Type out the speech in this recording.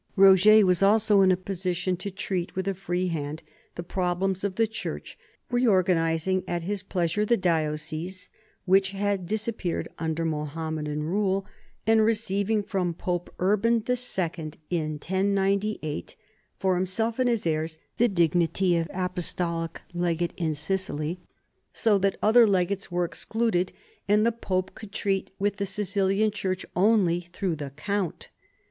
Roger was also in a position to treat with a free hand the problems of the church, reorganizing at his pleasure the dioceses which had dis appeared under Mohammedan rule, and receiving from 210 NORMANS IN EUROPEAN HISTORY Pope Urban II in 1098 for himself and his heirs the dig nity of apostolic legate in Sicily, so that other legates were excluded and the Pope could treat with the Sicilian church only through the count.